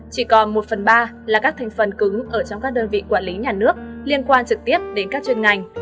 chỉ còn một phần ba là các thành phần cứng ở trong các đơn vị quản lý nhà nước liên quan trực tiếp đến các chuyên ngành